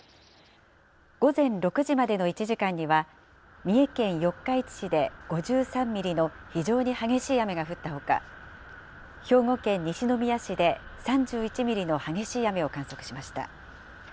午前６時までの１時間には、三重県四日市市で５３ミリの非常に激しい雨が降ったほか、兵庫県西宮市で３１ミリの激しい雨を観測しました。